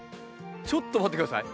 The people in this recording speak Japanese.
ちょっと待って下さい。